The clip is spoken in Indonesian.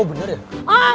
oh bener ya